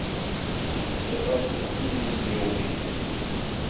سآخذ إذنا ليومين.